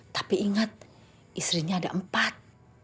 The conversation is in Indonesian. tapi ingat istrinya ada empat